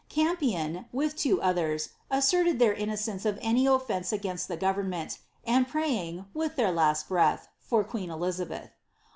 Campiau, with two others, asserted their inno any ofieuce against the government, and praying, with their ih, for queen Elizabeth.'